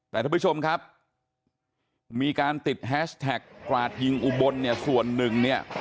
แต่ท่านผู้ชมครับมีการติดแฮชแท็กกราดยิงอุบลเนี่ยส่วนหนึ่งเนี่ย